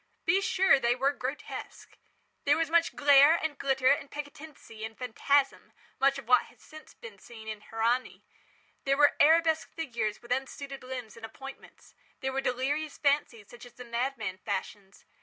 Be sure they were grotesque. There were much glare and glitter and piquancy and phantasm—much of what has been since seen in "Hernani". There were arabesque figures with unsuited limbs and appointments. There were delirious fancies such as the madman fashions.